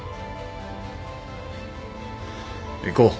行こう。